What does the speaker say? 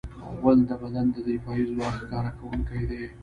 غول د بدن د دفاعي ځواک ښکاره کوونکی دی.